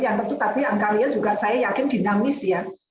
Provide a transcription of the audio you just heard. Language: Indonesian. yang tentu tapi angka real juga saya yakin dinamis ya